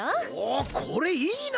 おこれいいな！